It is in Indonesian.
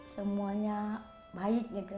semuanya baik juga